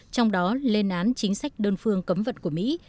trong đó lên án chính sách đơn phương cấm vận của mỹ